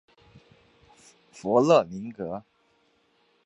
弗勒宁根。